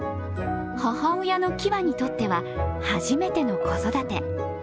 母親のキワにとっては、初めての子育て。